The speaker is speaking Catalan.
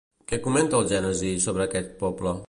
Què comenta el Gènesi sobre aquest poble?